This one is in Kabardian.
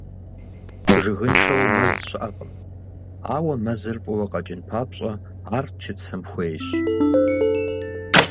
Жыгыншэу мэз щыӏэкъым, ауэ мэзыр фӏыуэ къэкӏын папщӏэ, ар чыцэм хуейщ.